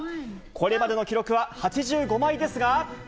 これまでの記録は８５枚ですが。